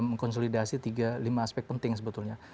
mengkonsolidasi lima aspek penting sebetulnya